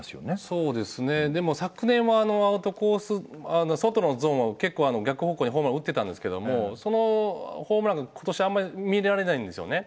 あの外のゾーンは結構逆方向にホームラン打ってたんですけどもそのホームランが今年あんまり見られないんですよね。